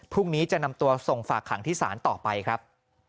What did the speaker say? พรุ่งนี้จะนำตัวส่งฝากขังที่ศาลต่อไปครับ